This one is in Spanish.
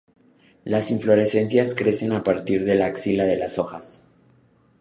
Las inflorescencias crecen a partir de la axila de las hojas.